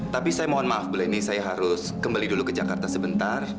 tapi saya mohon maaf bu leni saya harus kembali dulu ke jakarta sebentar